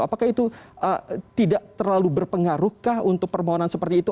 apakah itu tidak terlalu berpengaruhkah untuk permohonan seperti itu